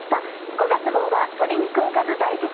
５月号は「鶏肉おかず大辞典」。